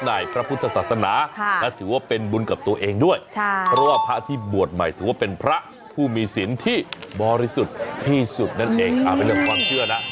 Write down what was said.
ในพระพุทธศาสนายถือเป็นบุญกับตัวเองด้วยค่ะพระพระภาพประธิบรอุตมาว่าเป็นพระผู้มีศิลป์ที่บริศุสุดคือ